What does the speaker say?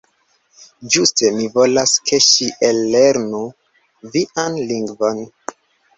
Ĝuste, mi volas, ke ŝi ellernu vian lingvon.